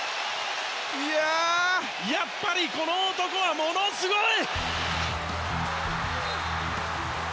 やっぱりこの男はものすごい！